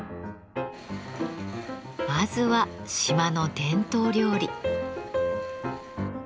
まずは島の伝統料理。